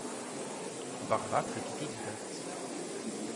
Barbâtre est autodidacte.